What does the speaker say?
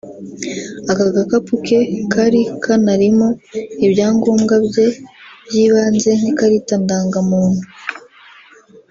Aka gakapu ke kari kanarimo ibyangobwa bye by’ibanze nk’ikarita ndangamuntu